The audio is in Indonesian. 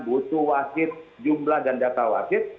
butuh wasit jumlah dan data wasit